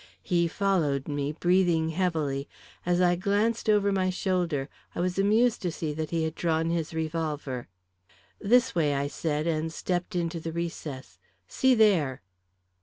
He followed me, breathing heavily. As I glanced over my shoulder I was amused to see that he had drawn his revolver. "This way," I said, and stepped into the recess. "See there!"